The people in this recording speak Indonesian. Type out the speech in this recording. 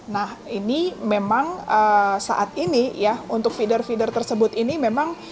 nah ini memang saat ini ya untuk feeder feeder tersebut ini memang